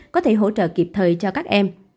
có thể hỗ trợ kịp thời cho các em